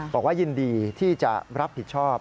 บอกว่ายินดีที่จะรับผิดชอบ